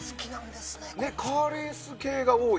カーレース系が多い。